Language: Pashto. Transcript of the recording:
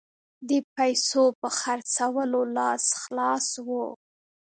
د پیسو په خرڅولو لاس خلاص وو.